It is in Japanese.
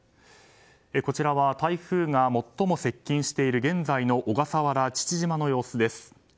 こちらは台風が最も接近している現在の小笠原・父島の様子です。